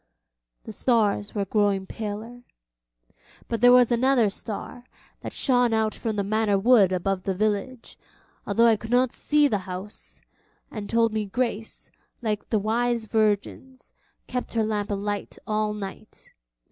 The stars were growing paler; but there was another star, that shone out from the Manor woods above the village, although I could not see the house, and told me Grace, like the wise virgins, kept her lamp alight all night.